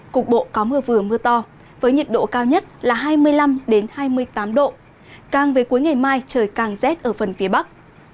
cục bộ có mưa vừa mưa to với nhiệt độ cao nhất là hai mươi năm hai mươi tám độ càng về cuối ngày mai trời càng rét ở phần phía bắc